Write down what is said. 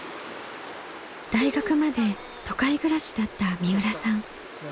大学まで都会暮らしだった三浦さん。